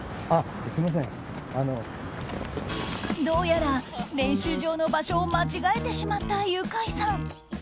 どうやら練習場の場所を間違えてしまったユカイさん。